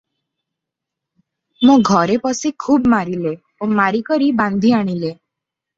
ମୋ ଘରେ ପଶି ଖୁବ୍ ମାରିଲେ ଓ ମାରି କରି ବାନ୍ଧି ଆଣିଲେ ।